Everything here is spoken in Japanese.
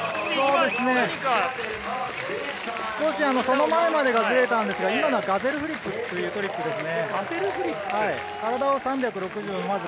少しその前までがブレたんですが、今のはガゼルフリップというフリップですね。